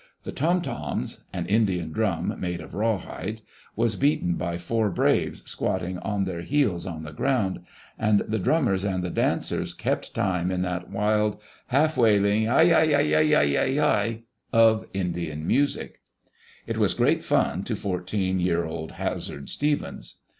The tom'tom — an Indian drimi made of rawhide — was beaten by four braves, squatting on their heels on the ground, and the drummers and the dancers kept time in that wild, half wailing Ai'ai'ai'ai'ai'ai ai of Indian music. It was great fun to fourteen year old Hazard Stevens.